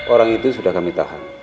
orang itu sudah kami tahan